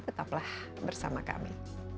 tetaplah bersama kami